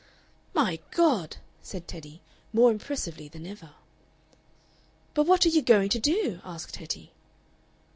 "My God!" said Teddy, more impressively than ever. "But what are you going to do?" asked Hetty.